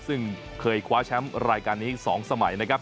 ซึ่งเคยคว้าแชมป์รายการนี้๒สมัยนะครับ